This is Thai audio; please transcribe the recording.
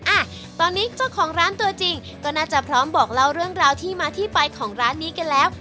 อ่ะตอนนี้เจ้าของร้านตัวจริงก็น่าจะพร้อมบอกเล่าเรื่องราวที่มาที่ไปของร้านนี้กันแล้ว